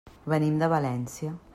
Venim de València.